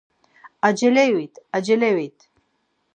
Acele qvit, acele qvit!